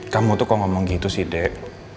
kamu tuh kok ngomong gitu sih dek